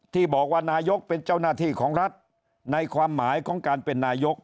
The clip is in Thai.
ที่บอกว่านายกเป็นเจ้าหน้าที่ของรัฐในความหมายของการเป็นนายก